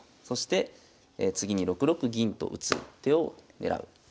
そして次に６六銀と打つ手を選ぶ。